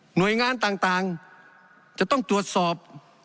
หน่วยงานต่างจะต้องตรวจสอบ